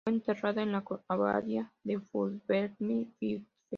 Fue enterrada en la abadía de Dunfermline, Fife.